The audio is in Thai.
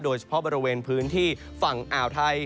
โดยเฉพาะบริเวณพื้นที่ฝั่งอ่าวไทย